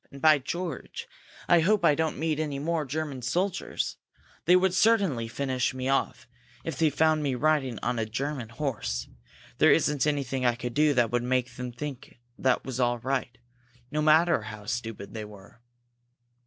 "And, by George, I hope I don't meet any more German soldiers! They would certainly finish me off if they found me riding on a German horse! There isn't anything I could do that would make them think that was all right, no matter how stupid they were!"